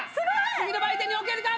次の売店に置けるか？